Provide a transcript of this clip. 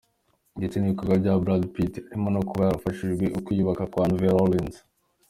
Ndetse n’ibikorwa bya Brad Pitt, harimo no kuba yarafashije ukwiyubaka kwa Nouvelle-Orléans.